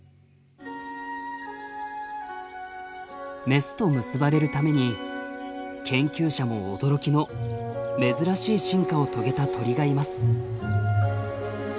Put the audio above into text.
メスと結ばれるために研究者も驚きの珍しい進化を遂げた鳥がいます。